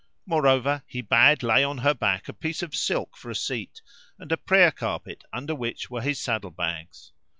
Moreover he bade lay on her back a piece of silk for a seat, and a prayer carpet under which were his saddle bags.